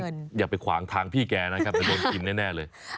เพราะฉะนั้นอย่าไปขวางทางพี่แกนะครับจะโดนอิ่มแน่เลย